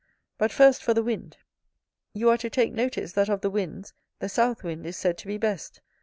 But first for the wind: you are to take notice that of the winds the south wind is said to be best.